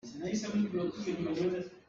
Meizik aa hliau duak mak.